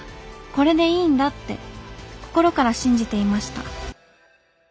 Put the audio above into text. これでいいんだって心から信じていました。